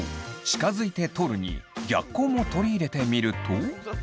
近づいて撮るに逆光も取り入れてみると。